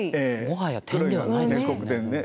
もはや点ではないですもんね。